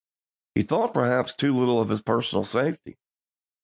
He thought perhaps too little of his personal safety.